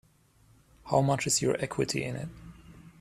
How much is your equity in it?